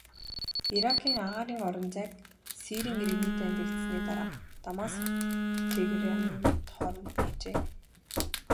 Иракийн агаарын орон зайг Сирийн иргэний дайн дэгдсэний дараа Дамаск-Тегераны хооронд нээжээ.